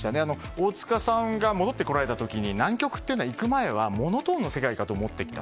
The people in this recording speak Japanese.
大塚さんが戻ってこられた時に南極というのは行く前はモノトーンの世界かと思っていた。